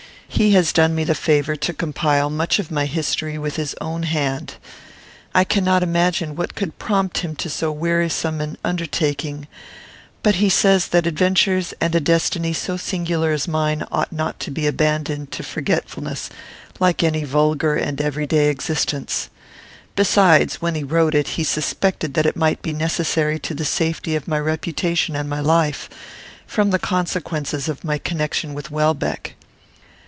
He has done me the favour to compile much of my history with his own hand. I cannot imagine what could prompt him to so wearisome an undertaking; but he says that adventures and a destiny so singular as mine ought not to be abandoned to forgetfulness like any vulgar and every day existence. Besides, when he wrote it, he suspected that it might be necessary to the safety of my reputation and my life, from the consequences of my connection with Welbeck.